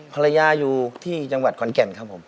ภรรยาอยู่ที่จังหวัดขอนแก่นครับผม